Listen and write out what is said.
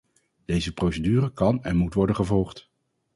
Deze procedure kan en moet worden gevolgd.